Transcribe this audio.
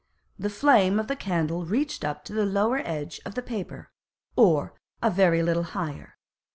The Flame of the Candle reached up to the lower edge of the Paper, or a very little higher.